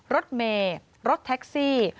รถเมย์รถแท็กซี่